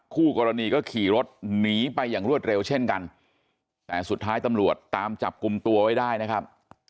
คู่กรณีก็ขี่รถหนีไปอย่างรวดเร็วเช่นกันแต่สุดท้ายตำรวจตามจับกลุ่มตัวไว้ได้นะครับ